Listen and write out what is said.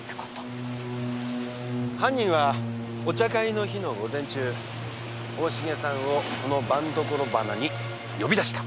犯人はお茶会の日の午前中大重さんをこの番所鼻に呼び出した。